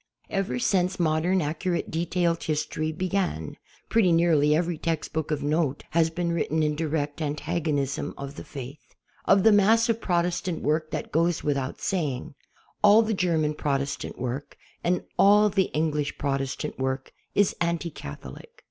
Ever since modern accurate detailed history be gan, |)retty nearly every textbook of note has been written in direct antagonism of the Faith. Of the mass of Protestant work that goes without saying. .Ml the Ger man Protestant work and all the English Protestant work is anti Catholic.